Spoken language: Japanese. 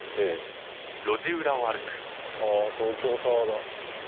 ああ東京タワーだ。